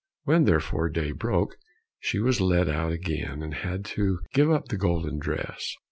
When therefore day broke, she was led out again, and had to give up the golden dress.